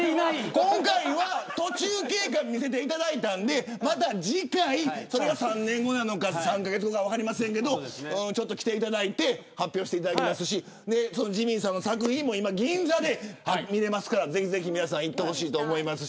今回は途中経過を見せていただいたのでまた次回、それが３年後なのか３カ月後なのか分かりませんがまた来ていただいて発表していただきますしジミーさんの作品も今、銀座で見れますからぜひ皆さん行ってほしいと思います。